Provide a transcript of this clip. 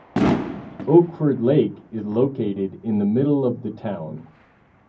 Oakford Lake is located in the middle of the town.